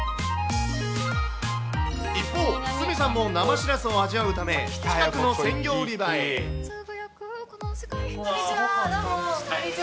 一方、鷲見さんも生シラスを味わうため、こんにちは、どうも。